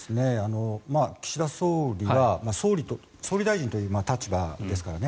岸田総理が総理大臣という立場ですからね。